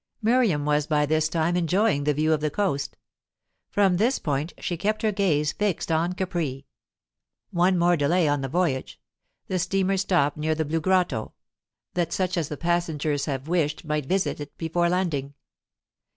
Miriam was by this time enjoying the view of the coast. From this point she kept her gaze fixed on Capri. One more delay on the voyage; the steamer stopped near the Blue Grotto, that such of the passengers as wished might visit it before landing.